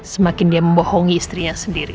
semakin dia membohongi istrinya sendiri